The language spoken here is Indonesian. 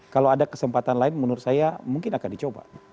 kalau ada kesempatan lain menurut saya mungkin akan dicoba